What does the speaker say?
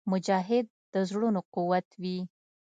مجاهد د زړونو قوت وي.